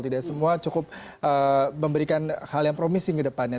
tidak semua cukup memberikan hal yang promising ke depannya